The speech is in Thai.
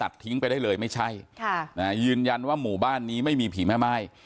ตัดทิ้งไปเลยไม่ใช่ยืนยันว่าหมู่บ้านนี้ไม่มีผีแม่ไม้